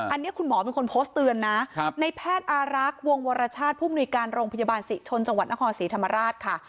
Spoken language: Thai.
อันนี้คุณหมอเป็นคนโพสต์เตือนนะในแพทย์อารักษ์วงวรชาติผู้มนุยการโรงพยาบาลศรีชนจังหวัดนครศรีธรรมราชค่ะ